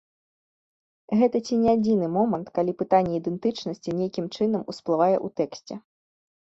Гэта ці не адзіны момант, калі пытанне ідэнтычнасці нейкім чынам усплывае ў тэксце.